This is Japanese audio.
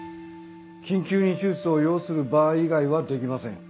緊急に手術を要する場合以外はできません。